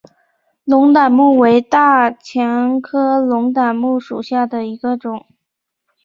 龙胆木为大戟科龙胆木属下的一个种。